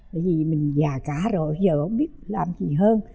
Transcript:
bởi vì mình già cả rồi giờ không biết làm gì hơn